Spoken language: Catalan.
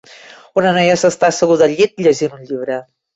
Una noia s'està asseguda al llit llegint un llibre.